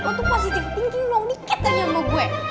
lo tuh positif thinking doang dikit tanya sama gue